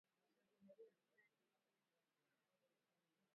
Vijiko vya chakula nne vya nafuta